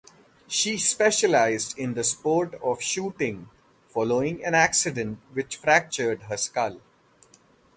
She specialised in the sport of shooting following an accident which fractured her skull.